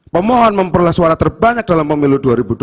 pemohon memperoleh suara terbanyak dalam pemilu dua ribu dua puluh